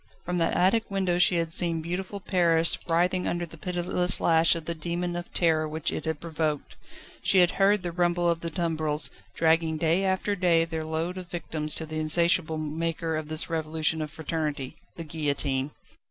From that attic window she had seen beautiful Paris writhing under the pitiless lash of the demon of terror which it had provoked; she had heard the rumble of the tumbrils, dragging day after day their load of victims to the insatiable maker of this Revolution of Fraternity the Guillotine.